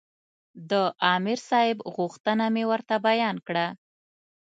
د عامر صاحب غوښتنه مې ورته بیان کړه.